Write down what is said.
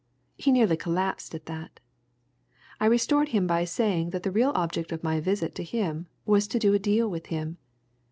He nearly collapsed at that I restored him by saying that the real object of my visit to him was to do a deal with him.